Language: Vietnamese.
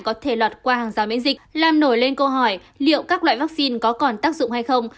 có thể lọt qua hàng rào miễn dịch làm nổi lên câu hỏi liệu các loại vaccine có còn tác dụng hay không